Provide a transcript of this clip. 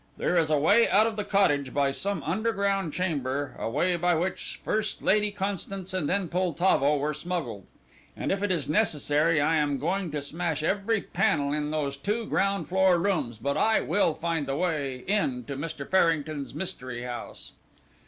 There is a way out of the cottage by some underground chamber, a way by which first Lady Constance and then Poltavo were smuggled, and if it is necessary I am going to smash every panel in those two ground floor rooms, but I will find the way in to Mr. Farrington's mystery house."